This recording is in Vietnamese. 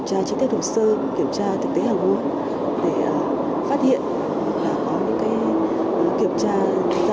sạch cái gì mà sạch